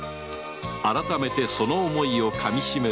改めてその思いを噛みしめる